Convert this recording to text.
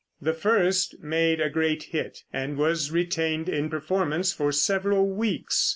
The first made a great hit and was retained in performance for several weeks.